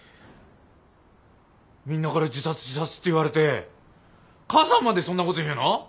みんなから自殺自殺って言われて母さんまでそんなこと言うの？